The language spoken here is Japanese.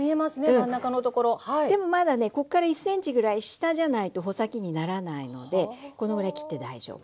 でもまだねこっから１ｃｍぐらい下じゃないと穂先にならないのでこのぐらい切って大丈夫。